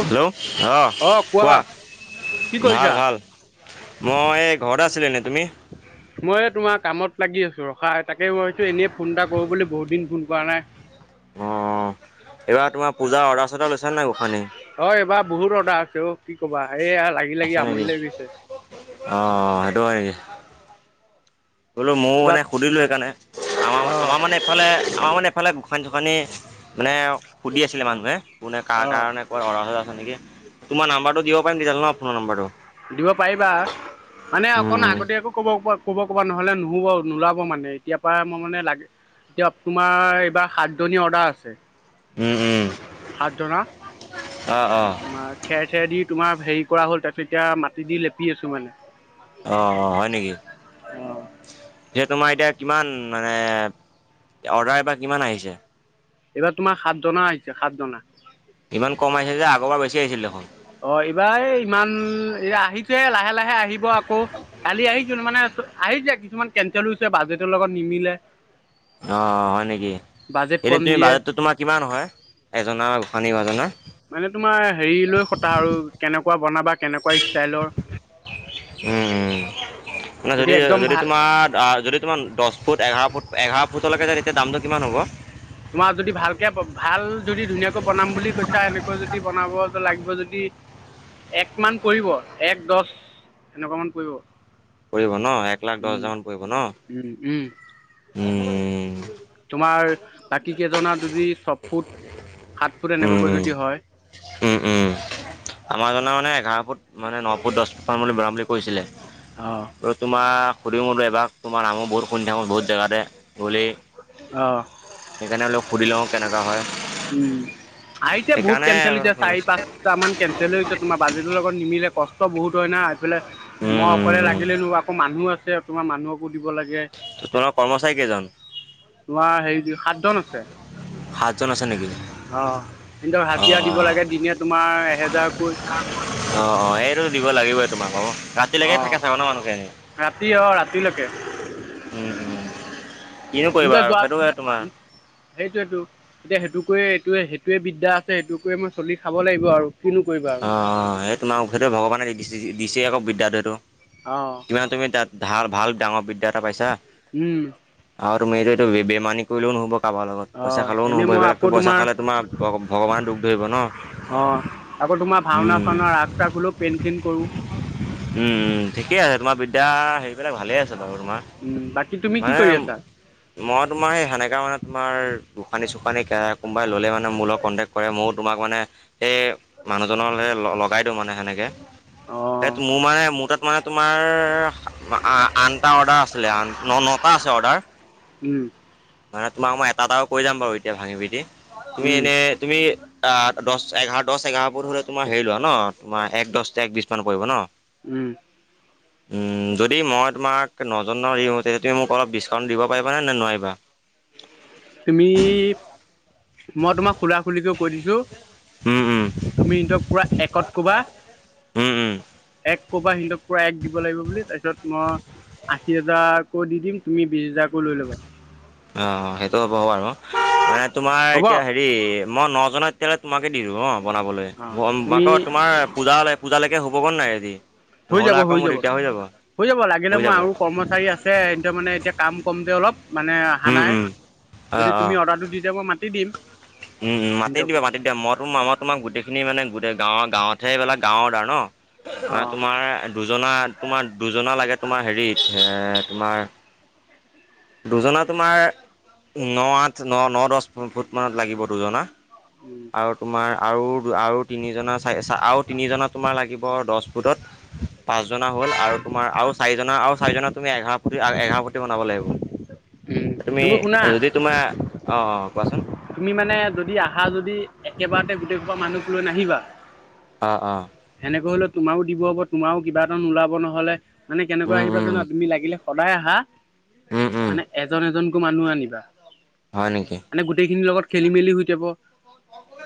Hello অ কোৱা কি কৰিছা? ভাল ভাল। মই ঘৰত আছিলো এনে তুমি মই তোমাৰ কামত লাগি আছো ৰখা এ তাকে ভাবিছো এনেই ফোন এটা কৰো বুলি বহুত দিন ফোন কৰা নাই। অ এইবাৰ তোমাৰ পূজা অৰ্ডাৰ চৰ্ডাৰ লৈছা নাই গোখানিৰ। অ এইবাৰ বহুত অৰ্ডাৰ আছে অ কি কবা এইয়া লাগি লাগি আছে আমনি নেকি লাগি গৈছে অঁ সেইটো হয় নেকি বোলো মৌ এইবাৰ মানে সুধিলোঁ সেইকাৰণে আমাৰ অ আমাৰ মানে এইফালে আমাৰ মানে এইফালে গোখানী মানে সুধি আছিলে মানুহে কোনে কাৰ অ কাৰণে কয় অৰা চ হেনেকে তোমাৰ নাম্বাৰটো দিয়ক দিব পাৰিবা মানে অকণ আগতীয়াকো কব প ক'ব ক'বা নহ'লে নুহব আউ নোলাব মানে এতিয় পৰা মই মানে লাগে এতিয়া তোমাৰ এইবাৰ সাতজনী অৰ্ডাৰ আছে হাত ধৰা। অঁ অঁ। পঠিয়াই দি তোমাৰ হেৰি কৰা হ'ল তাৰপিছত এতিয়া মাটি দি লেপি আছোঁ মানে। অ হয় নেকি? অ এ তোমাৰ এতিয়া কিমান মানে অৰ্ডাৰ এবা কিমান আহিছে? এইবাৰ তোমাৰ সাত জনা আহিছে সাত জনা ইমান কম আহিছে যে? আগৰ পৰা বেছি আহিছিল দেখোন। অ এইবাৰ এই ইমান আহিছে লাহে লাহে আহিব আকৌ কালি আহিছো মানে আহিছে কিছুমান কেনচেল হৈছে বাজেটৰ লগত নিমিলে অ হয় নেকি? বাজেট এনে কম তুমি দিয়ে বাজেটো তোমাৰ কিমান হয় এজনৰ? শনিবাজনৰ মানে তোমাৰ হেৰি লৈ কথা আৰু কেনেকুৱা বনাবা কেনেকুৱা ষ্টাইলৰ উম উ। মানে যদি একদম যদি ভাল তোমাৰ আহ যদি তোমাৰ দচ ফুট এঘাৰ ফুট এঘাৰ ফুতলেকে যাই এতিয়া দামটো কিমান হ'ব? তোমাৰ যদি ভালকে ভাল যদি ধুনীয়াকৈ বনাম বুলি কৈছা এনেকৈ যদি বনাব লাগিব যদি। এক মান পৰিব এক দচ এনেকুৱা মান পৰিব। পৰিব ন এক লাখ দহ উম হাজাৰ মান পৰিব ন উম উম উ উ। তোমাৰ বাকী কেইজনা যদি চফুট উম উম উম উম আমাৰ জনা মানে এঘাৰ ফুট মানে ন ফুট দহ মান মান বৰাম বুলি কৰিছিলে অ আৰু তোমাৰ [unintelligible] বোলো এবাক তোমাৰ নামো বহুত শুনি থাকোঁ, বহুত জেগাতে গ'লেই। অ সেইকাৰণে অলপ সুধি লও কেনেকা হয়? উম। আহিছে বহুত সেইকাৰণে কেঞ্চেল হৈছে চাৰি পাঁচটা মান কেঞ্চেল হৈ হৈছে তোমাৰ বাজেটৰ লগত নিমিলে কষ্ট কষ্ট বহুত হয় না এইফালে উম মই উম অকলে উম লাগিলেনো আকৌ মানুহ আছে তোমাৰ মানুহকো দিব লাগে। তোমাৰ কৰ্মচাৰী কেইজন? তোমাৰ হেৰি সাতজন আছে সাতজন আছে নেকি অঁ কিন্তক অঁ হাজিৰা দিব লাগে দিনে তোমাৰ এহেজাৰকৈ অ অ এইটো দিব লাগিবই তোমাক অ ৰাতিলেকে অ'। থাকে চাব ন মানুহখিনি ৰাতি অ' ৰাতিলৈকে উম উম কিনো কৰিবা সিহঁতে আৰু যোৱা সেইটো হয়ে তোমাৰ। সেইটোকয়ে এইটোৱে সেইটোৱে বিদ্যা আছে সেইট কৰিয়ে মই চলি খাব লাগিব আৰু। কিনো কৰিবা আৰু অ অ এই তোমাৰ উখেই ভগৱানে দিছে আকৌ বিদ্যাটো সেটো অ'। কিমান তুমি তাত ভাল ভাল ডাঙৰ বিদ্যা এটা পাইছা। উম। আৰু তুমি এইটো বেইমানী কৰিলেও নহব। পাবাৰ লগত পইচা অ' খালেও এনেই নহ'ব মই আকৌ সেইবিলাকতো পইচা খালে তোমাৰ ভগৱান দুখ ধৰিব ন অঁ আকৌ তোমাৰ ভাওনা উম চাওনা ৰাগ চাস হলেও পেনথিন কৰো। উম ঠিকেই আছে তোমাৰ বিদ্যা হেৰি পেলাক ভালে আছে বাৰু তোমাৰ বাকী তুমি কি মানে কৰি আছা মই তোমাৰ সেই সেনেকা মানে তোমাৰ গশানী চুোকানি কোনোবাই ল'লে মানে মোৰ লগত কণ্টেক্ট কৰে ময়ো তোমাক মানে এই মানুহজন লগাই দিওঁ মানে সেনেকে, সেই অঁ মোৰ মানে মোৰ তাত মানে তোমাৰ আনটা অৰ্ডাৰ আছিলে আ ন নটা আছে অৰ্ডাৰ উম। মানে তোমাক মই এটা এটাও কৈ যাম বাৰু এতিয়া ভাঙি বিটি তুমি এনে তুমি দহ এঘাৰ দহ এঘাৰ ফুট হ'লে তোমাৰ হেৰি লোৱা ন? তোমাৰ এক দহ এক বিশছ মান পৰিব ন? উম, যদি মই তোমাক তে নজনাও ইহঁতি হেটি মোক অলপ ডিছকাউণ্ট দিব পাৰিবা নে নোৱাৰিবা? তুমি, মই তোমাক খোলা -খুলিকে কৈ দিছো। উম উম তুমি সিনতক পুৰা একত কবা উম উম এক কবা সিনতক পূৰা এক দিব লাগিব বুলি তাৰপিছত মই আশী হেজাৰকৈ দি দিম তুমি বিশ হেজাৰ কৈ লৈ লবা অহ, সেইটো হ'ব বাৰু মানে তোমাৰ হ'ব এতিয়া হেৰি মই নজনাত এতিয়ালে তোমাকে দিলো অহ। বনাবলে অঁ তুমি আকৌ তোমাৰ পূজালে-পূজালেকে হ'ব গ নাই আজি নহলে আকৌ মোৰ দিগদাৰ হৈ যাব হৈ যাব লাগিলে হৈ মই যাব আৰু কৰ্মচাৰী আছে হেণ্টে মানে এতিয়া কাম কমজে অলপ। মানে উম আহানাই উম অ যদি অ তুমি অৰ্ডাৰটো দি দিয়া মই মাতি দিম। উম, মাতি সিহঁতকো দিবা মাতি দিয়া মই তো মই তোমাক গোটেই খিনি মানে গোটেই গাঁৱ-গাঁৱত সেই এইবিলাক গাঁৱৰ দাৰ ন আ অঁ তোমাৰ দুজনা তোমাৰ দুজনা লাগে তোমাৰ হেৰিত হে তোমাৰ দুজনা তোমাৰ ন'আঠ, ন -ন দচ ফুট মানত লাগিব দুজনা। উম, আৰু তোমাৰ আৰু- আৰু তিনিজনা চাই আৰু তিনিজনা তোমাৰ লাগিব দচ ফুটত পাঁচজনা হ'ল আৰু তোমাৰ আৰু চাৰিজনা -আৰু চাৰিজনা তুমি এঘাৰ ফুটি- এঘাৰ ফুটি বনাব লাগিব। উম, তুমি শুনা যদি তোমাৰ অহ - অহ কোৱাচোন? তুমি মানে যদি আহা যদি একেবাৰতে গোটেই খোপা মানুহক লৈ নাহিবা আ - আ তেনেকৈ হলে তোমাৰ দিব হ'ব তোমাৰো কিবা এটা নোলাব নহ'লে মানে কেনেকোৱা উম আহিবা উম জানা তুমি লাগিলে সদায় আহা উম উম মানে এজন -এজনকৈ মানুহ আনিবা। হয় নেকি মানে গোটেইখিনিৰ লগত খেলি- মেলি হৈ যাব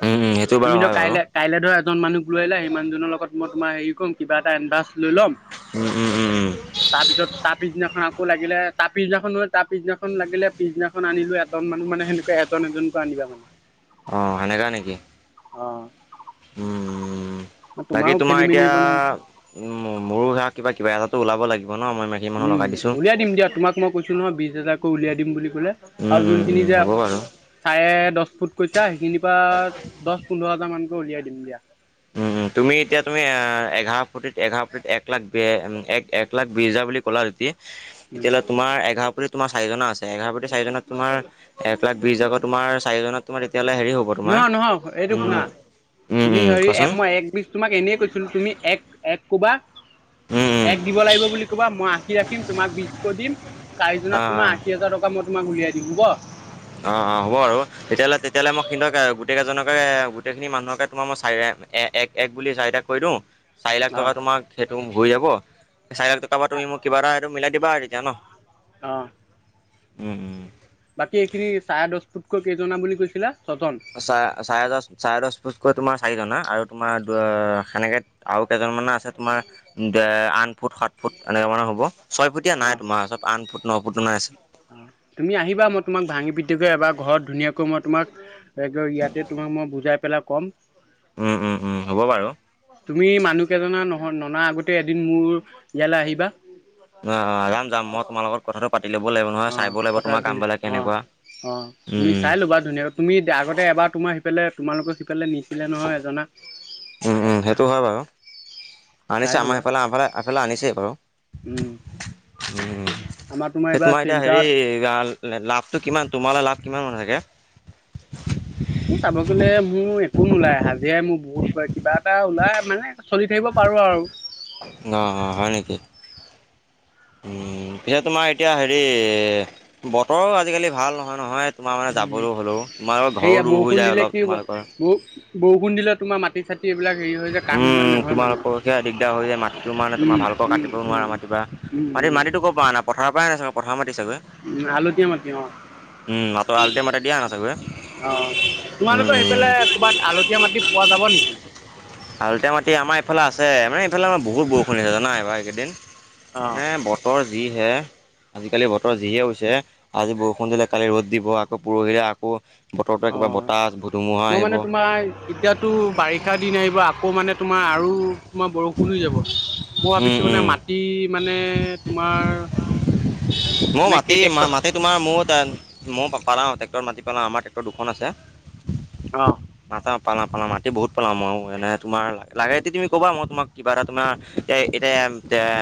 উম উম সেইটো তুমি বাৰু ধৰা হয় বাৰু কাইলে -কাইলৈ ধৰা এজন মানুহক লৈ আহিলা মানুহজনৰ লগত মই তোমাৰ হেৰি কম কিবা এটা এডভান্স লৈ ল'ম উম উম উম উম তাৰপিছত তাৰ পিছদিনাখন আকৌ লাগিলে তাৰ পিছদিনাখন তাৰ পিছদিনাখন লাগিলে পিছদিনাখন আনিলো এজন মানুহ মানে সেনেকৈ এজন এজনকৈ আনিবা মানে। অহ, সেনেকা নেকি? অহ উম -উম বাকী তোমাৰ খেলি মেলি এতিয়া হ'ব নহয়। উম মোৰো সেইয়া কিবা -কিবা এটাত ওলাব লাগিব। ন মই মাইকী মানুহ উম, লগাই দিছোঁ উলিয়াই দিম দিয়া তোমাক মই কৈছো নহয় বিছ হাজাৰকৈ উলিয়াই দিম বুলি। উম আৰু উম যোনখিনি উম যে হ'ব বাৰু চাৰে দছ ফুট কৈছা সেইখিনি পা দছ -পোন্ধৰ হাজাৰ মানকৈ উলিয়াই দিম দিয়া। উম, তুমি এতিয়া তুমি এ' এঘাৰ ফুটিত -এঘাৰ ফুটিত এক লাখ এক- এক লাখ বিছ হাজাৰ বুলি ক'লা জতি [inaudible] তেতিয়াহ'লে তোমাৰ এঘাৰ ফুটিত তোমাৰ চাৰিজনৰ আছে এঘাৰ ফুটি চাৰিজনত তোমাৰ এক লাখ বিছ হাজৰকে তোমাৰ চাৰিজন তোমাৰ তেতিয়াহ'লে হেৰি হ'ব তোমাৰ নহয় নহয় এইটো উম শুনা উম তুমি উম হেৰি কোৱাচোন এম মই একবিজ তোমাক এনেই কৈছিলো তুমি এক -এক ক'বা উম উম এক দিব লাগিব বুলি ক'বা মই আঁকি ৰাখিম তোমাক বিছকৈ দিম অ চাৰিজনত তোমাৰ আশী হাজাৰ টকা মই তোমাক উলিয়াই দিম হ'ব। অহ - অহ হ'ব আৰু তেতিয়াহ'লে- তেতিয়াহ'লে মই হিন্তক গোটেই কেইজনকে গোটেই খিনি মানুহকে তোমাৰ মই চাই এক -এক বুলি চাৰিটাক কৈ দিওঁ চাৰি লাখ অ টকা তোমাৰ সেইটো হৈ যাব। চাৰি লাখ টকা পা তুমি মোক কিবা এটা মিলাই দিবা আৰু তেতিয়া ন'? অহ উম -উম বাকী এইখিনি চাৰে দছ ফুটকৈ কেইজনা বুলি কৈছিলা? ছজন চাৰে চাৰে দশ ফুট কৈ তোমাৰ চাৰিজনা আৰু তোমাৰ সেনেকে আৰু কেইজনমানা আছে। তোমাৰ আন ফুট সাত ফুট এনেকোৱা মানে হ'ব। ছয় ফুটীয়াে অ নাই তোমাৰ চব আঠ ফুট ন ফুট মানে আছে। অ' তুমি আহিবা মই তোমাক ভাঙি পিটিকৈ এবাৰ ঘৰত ধুনীয়াকৈ মই তোমাক ইয়াতে তোমাক মই বুজাই পেলাই কম। উম উম উম হ'ব বাৰু। তুমি মানুহ কেইজনা নহ ননা আগতে এদিন মোৰ ইয়ালৈ আহিবা। নহ অ' যাম যাম মই তোমাৰ লগত কথাটো পাতি ল'ব লাগিব নহয় অ' চাবও লাগিব পথাৰত তোমাৰ পিনে কামবিলাক অ' কেনেকুৱা? অ' তুমি উম চাই লবা ধুনীয়াকৈ তুমি আগতে এবাৰ তোমাৰ সিফালে তোমালোকৰ সিফালে নিছিলে নহয় এজনা উম উম সেইটো হয় বাৰু চাই আনিছে আমাৰ ল'বা। সেইফালে আফালে এফালে আনিছে বাৰু উম আমাৰ সেই এইবাৰ তোমাৰ এতিয়া হেৰি চেণ্টাৰত লাভটো কি কিমান তোমালে লাভ কিমান মান থাকে। চাব গ'লে মোৰ কো নোলায় হাজিৰাই মোৰ বহুত কিবা এটা ওলাই মানে চলি থাকিব পাৰো আৰু অ' হয় নেকি উম পিছে তোমাৰ এতিয়া হেৰি বতৰো আজিকালি ভাল নহয় নহয়। তোমাৰ মানে উম, যাবলৈ হ'লেও তোমালোকৰ ঘৰো সেয়া দূৰ হৈ বৰষুণ যায় দিলে অলপ কি হ'ব তোমালোকৰ ব বৰষুণ দিলে তোমাৰ মাটি চাটি এইবিলাক হেৰি হৈ যায় কাম ইমান উম নহয় মানে তোমালোককে দিগদাৰ হৈ যায়। মাটিটো মানে তোমাৰ উম ভালকৈ উম কাটিবও নোৱাৰা উম মাটি বা উম মাটি উম মাটিটো কৰপৰা অনা? পথাৰৰ পৰাই অনা চব উম আলুতিয়া মাটি অ' উম, মাতৰ আলতীয়া মাটি দিয়া আনা চাগৈ অ' উম, তোমালোকৰ উম, সেইফালে কবাত আলুতীয়া মাটি পোৱা যাব নেকি? আলুতীয়া মাটি আমাৰ এইফালে আছে। মানে এইফালে আমাৰ বহুত বৰষুণ দিয়ে এইবাৰ খেতিত। অ মানে বতৰ যিহে। আজিকালি বতৰ যিহে হৈছে আজি বৰষুণ দিলে কালি ৰ'দ দিব। আকৌ পৰহিলে আকৌ বতৰটো একেবাৰে অ' বতাহ ধুমুহা মই আহিব মানে তোমাৰ এতিয়াতো বাৰিষা দিন আহিব আকৌ মানে তোমাৰ আৰু তোমাৰ বৰষুণ হৈ যাব। মই উম ভাবিছোঁ মানে উম মাটি মানে তোমাৰ মই মানে মাতি কেই ট্ৰেক্টৰ মাতি তোমাৰ ম মই পালা ট্ৰেক্টৰত মাতি পালা আমাৰ ট্ৰেক্টৰ দুখন আছে। অহ মাতা পালা পালা মাতি বহুত পালা মই এনে তোমাৰ লাগে যদি তুমি ক'বা। মই তোমাক কিবা এটা তোমাৰ এ এতিয়া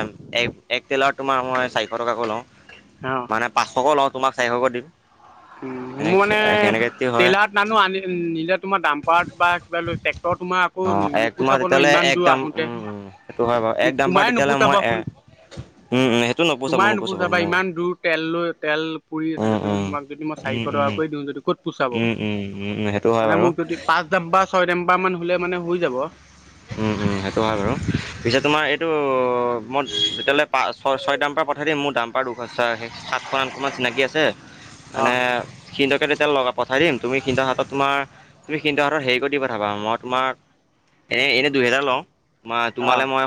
এক তেলাৰত তোমাৰ মই চাৰিশ টকাকৈ লওঁ। অ অ মানে পাঁচশকো লওঁ তোমাক চাৰিশকৈ দিম। উ সেনে মোৰ মানে সেনেকে কি হয় ট্ৰেইলাৰত নানো আনি নিলে তোমাৰ ডাম্পাৰত বা কিবা লৈ ট্ৰেক্টৰ তোমাৰ আকৌ অ এক তোমাৰ নুপুচাব নহয় তেতিয়াহ'লে ইমান এক দূৰ দাম আহোঁ‌তে উম উম সেইটো হয় বাও। এক দামাত তেতিয়াহ'লে মই এ উম সেইটো নোপোচাব নোপোচাব বা ইমান দূৰ তেল লৈ তেল পুৰি উম উম তোমাক যদি মই চাৰিশ উম উম টকাকৈয়ে দিওঁ যদি ক'ত পুচাব উম উম উম উম। সেইটো হয় মানে বাৰু মোক যদি পাঁচ ডাম্বা ছয় ডাম্বা মান হলে মানে হৈ যাব। উম, [unintelligible] উম, সেইটো হয় বাৰু পিছে তোমাৰ এইটো মই তেতিয়াহ'লে পাঁচ ছয় দামপাৰ পঠাই দিম। মোৰ দাম সাতখন আঠ খন মান চিনাকি আছে। মানে অ', সিহতকে তেতিয়া লগাব পঠাই দিম তুমি সিন্তৰ হাতত তোমাৰ তুমি সিন্তৰ হাতত হেৰি কৰি দি পঠাবা। মই তোমাৰ এনে এনে দুইহেজাৰ লওঁ। তম তোমালে অ', মই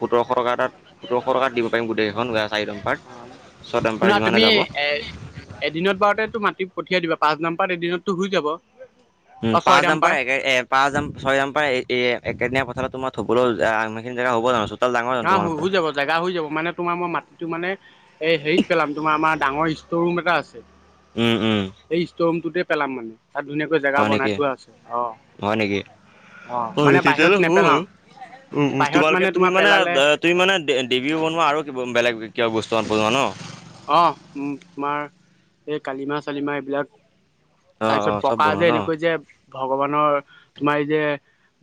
সোতৰশ টকা এটা সোতৰশ টকাত দিব পাৰিম গোটেইখন গ অ' শুনা তুমি যাব। এ এদিনত বাৰুতে তো মাটি পঠিয়াই দিবা। পাঁচ নম্বাৰ এদিনতো হৈ যাব। উম অ', ছয় পাঁচ দম্পাৰ ডাম্পাৰ এক এ পাঁচ যাম ছয় যাম প এ একেদিনীয়া পঠাই দিম। ইফালে তোমাৰ থবলৈও ইমানখিনিজেগা হব' জানো? চোতাল ডাঙৰ ন জানো তোমালোকৰ? হৈ যাব জেগা হৈ যাব মানে তোমাৰ মই মাটিটো মানে এই হেৰিত পেলাম। তোমাৰ আমাৰ ডাঙৰ ষ্ট'ৰ ৰুম এটা আছে। উম, উম, সেই ষ্টমটোতে পেলাম মানে তাত ধুনীয়াকৈ জেগা হয় বনাই নেকি থোৱা আছে। অৱ হয় নেকি? অৱ অ মানে বাহিৰত তেতিয়াহ'লে হ'ব নেপেলাও বাৰু উম উম বাহিৰত তোমালোকে তুমি তোমাৰ মানে পেলালে তুমি মানে দেবী বনোৱা আৰু কিবা বেলেগ কিবা বস্তু [unintelligible] অ উম তোমাৰ এই কালিমা চালিমাহ এইবিলাক অ অ তাৰপিছত চব পকা বনোৱা যে ন এনেকৈ যে ভগৱানৰ তোমাৰ এই যে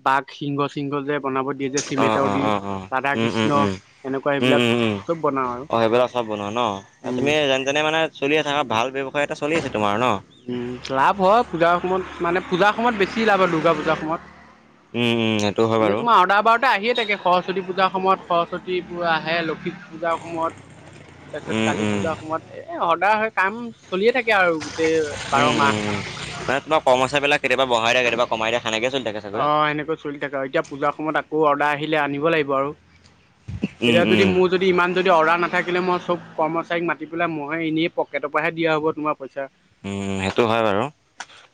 বাঘ সিংহ সিংহ যে বনাব দিয়ে যে অ চিমেটৰ অ দি অ অ ৰাধা উম উম কৃষ্ণ উম এনেকুৱা উম এইবিলাক উম উম চব বনাওঁ আৰু অ চব বনোৱা ন উম তুমি যেন তেনে মানে চলি আ থাককা ভাল ব্যৱসায় এটা চলি আছে তোমাৰ ন উম লাভ হয় পূজাৰ সময়ত মানে পূজা সময়ত বেছি লাভ আৰু দুৰ্গা পূজাৰ সময়ত উম উম সেইটো হয় এনেই বাৰু তোমাৰ অৰ্ডাৰ বাৰতে আহিয়ে তাকে সৰস্বতী পূজাৰ সময়ত সৰস্বতী বোৰ আহে লক্ষী পূজাৰ সময়ত তাৰপিছত উম কালী উম পূজাৰ সময়ত এই সদায় কাম চলিয়ে থাকে। আৰু গোটেই বাৰ উম মাহ। উম মানে তোমাৰ কৰ্মচাৰি বিলাক কেতিয়াবা বঢ়াই দিয়া কেতিয়াবা কমাই দিয়া সেনেকে চ অ সেনেকৈ চলি থাকে আৰু এতিয়া পূজাৰ সময়ত আকৌ অৰ্ডাৰ আহিলে আনিব লাগিব আৰু উম এতিয়া যদি উম মোৰ যদি ইমান যদি অৰ্ডাৰ নাথাকে। থাকিলে মই চব কৰ্মচাৰীক মাতি পেলাই মইে এনেই পকেটৰ পৰাহ দিয়া হ'ব তোমাৰ পইচা। উম সেইটো হয় বাৰু,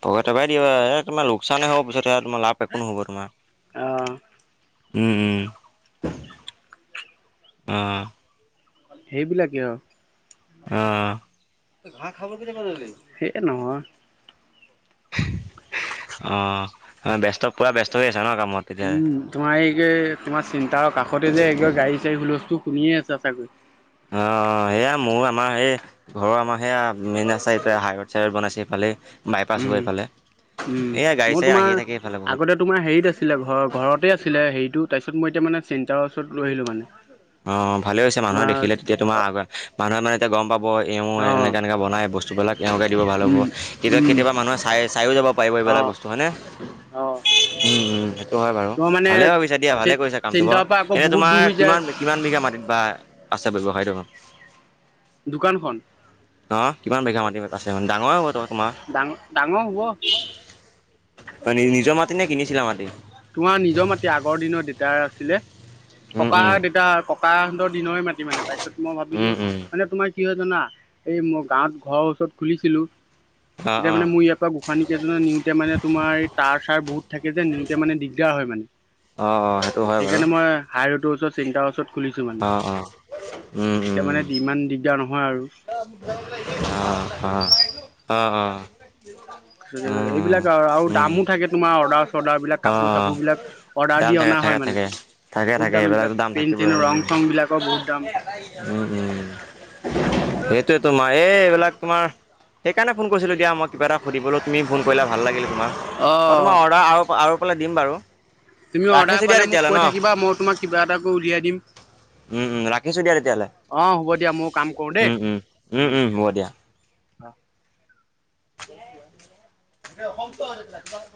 পকতে বাই দিয়া এ তোমাৰ লোকচানেই হ'ব পিছত স তাৰ লাভ। একো নহ'ব তোমাৰ আহ। উম উম। আহ। সেইবিলাকেই অ। অ', [unintelligible] সেই নহয়। অৱ ব্যস্ত পুৰা ব্যস্ত হৈ আছে। উম তোমাৰ এই তোমাৰ চিন্তাৰ কাষতে যে এক গাড়ী চাড়ী হুলস্থুল। শুনিয়ে আছা চাগৈ। অৱ সেয়া মোৰ আমাৰ সেৱা ঘৰৰ আমাৰ সেয়া মেইন আছে এতিয়া হাইৰেড চাইড বনাইছে। ইফালে বাইপাছ হ উম। এইফালে। উম, এইয়া গাড়ী মই চাড়ী আহিয়ে তোমাৰ, থাকে এইফালে বহুত। আগতে তোমাৰ হেৰিত আছিলে ঘৰ ঘৰতে আছিলে হেৰিতো। তাৰপিছ মই এতিয়াানে চেণতাৰৰ ওচৰত ৰ আহিলো মানে। অ ভালে হৈছে মানুহে তোমাৰ দেখিলে তেতিয়া তোমাৰ আগ মানুহে মানে এতিয়া গম পাব। এওঁ অ'। এনেকৈ এনেকৈ বনাই বস্তুবিলাক এওঁকে দিব ভাল হ'ব উম। কেতিয়া উম, কেতিয়াবা, মানুহে চাই চায়ো যাব পাৰিব এইবিলাক। অ', বস্তু হয় নে অ', উ উ। হয় বাৰু তোমাৰ মানে ভালে ভাবিছা দিয়া ভালে কৰিছছে কামটো ব, চেণ্টাৰৰ পৰা আকৌ এনেয়া বহুত তোমাৰ দূৰ হৈ যায় কিমান। কিমান বিঘা মাটিত বা আছে বৱসায়টো। দোকানখন। অ কিমান বিঘা মাটতি আছে মানে ডাঙৰ হ'ব ত। তোমাৰ ডাঙৰ ডাঙৰ হব। নিজৰ মাটি নে কিনিছিলা মাটি তোমাৰ নিজৰ মাতি আগৰ দিনৰত দেতাৰ আছিলে। উম ককা উম দেউতা ককা সহঁতৰ দিনৰে মাতি মানে তাৰ পিছত মই ভাবিলো উম উম মানে তোমাৰ। কি হয় জানা, এই মই গাঁৱত ঘৰৰ ওচৰত খুলিছিলো। অ তেতিয়া অ মানে মোৰ ইয়াৰ পৰা গোসানী কেইজনে নিওঁতে মানে। তোমাৰ এই তাৰ চাৰ বহুত থাকে যে নিওঁতে মানে দিগদাৰ হয় মানে। অ অ সেইটো হয় বাৰু সেইকাৰণে মই হাই ৰোদৰ ওচৰত চিন্তাৰ ওচৰত। খুলিছো মানে, অ অ উম এতিয়া উম মানে ইমান দি। অ অহ অহ অ। অ উম এইবিলাক আৰু উম দামো থাকে তোমাৰ অৰ্ডাৰ। ৰ্ডাৰ বিলাক অ কাপোৰ চাপোৰ বিলাক অৰ্ডাৰ দাম দি থাকে অনা থাকে হয় মানে। থাকে থাকে বহুত থাকে দাম এইবিলাক এইবিলাকতো থাকিবই পেঞ্চিলৰ ৰং চং বিলাকৰ বহুত দাম। উম উম। সেইটোৱে তো মাৰ এই, এইবিলাক তোমাৰ সেইকাৰণে ফোন কৰিছিলো দিয়া মই কিবা এটা সুধিবলৈ। তুমি ফোন কৰিলে ভাল লাগিলে তোমাৰ, অ মই তোমাৰ অৰ্ডাৰ আৰু আৰুফালে দিম বাৰু। তুমি অৰ্ডাৰ ৰাখিছোঁ দিয়া পালে মোক তেতিয়াহ'লে ন কৈ থাকিবা মই তোমাক কিবা এটা কৰি উলিয়াই দিম। উম উম ৰাখিছো দিয়া তেতিয়াহলে। অ হ'ব দিয়া মই কাম কৰো দেই উম উম উ উম উম হ'ব অ। অসম ক তমাৰ।